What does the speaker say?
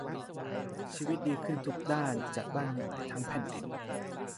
ชีวิตดีขึ้นทุกด้านจัดบ้านใหม่ทั้งแผ่นดิน